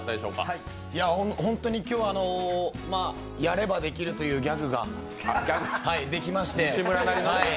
今日は、やればできるというギャグができまして。